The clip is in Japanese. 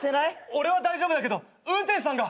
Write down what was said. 俺は大丈夫だけど運転手さんが。